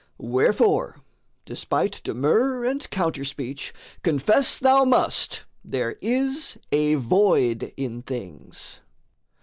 Wherefore, despite demur and counter speech, Confess thou must there is a void in things.